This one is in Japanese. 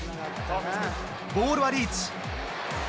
ボールはリーチ。